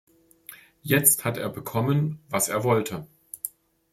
Jetzt hat er bekommen, was er wollte!